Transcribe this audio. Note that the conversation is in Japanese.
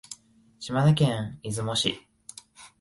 島根県出雲市